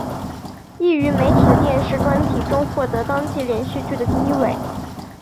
亦于媒体的电视专题中获得当季连续剧第一位。